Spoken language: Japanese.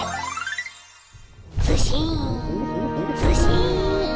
ズシンズシン！